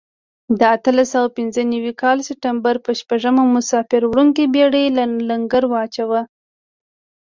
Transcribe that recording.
د اتلس سوه پنځه نوي کال سپټمبر په شپږمه مسافر وړونکې بېړۍ لنګر واچاوه.